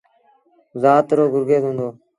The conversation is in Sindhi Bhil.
زآت رو گرگيز هُݩدو۔